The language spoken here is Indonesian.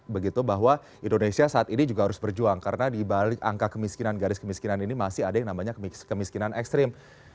begitu bahwa indonesia saat ini juga harus berjuang karena dibalik angka kemiskinan garis kemiskinan ini masih ada yang namanya kemiskinan ekstrim